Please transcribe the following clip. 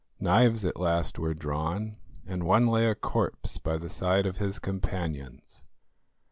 Knives at last were drawn, and one lay a corpse by the side of his companions.